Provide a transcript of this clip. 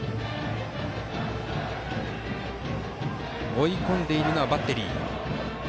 追い込んでいるのはバッテリー。